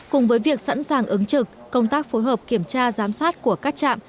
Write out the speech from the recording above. cùng với việc sẵn sàng ứng trực công tác phối hợp kiểm tra giám sát của các trạm